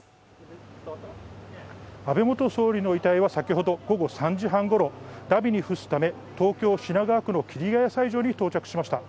安倍元総理の遺体は先ほど午後３時半ごろ、だびに付すため、東京・品川区の桐ヶ谷斎場に到着しました。